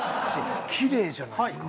きれいじゃないですか？